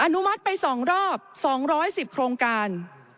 นุมัติไป๒รอบ๒๑๐โครงการ